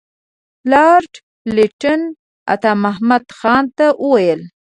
لارډ لیټن عطامحمد خان ته وویل.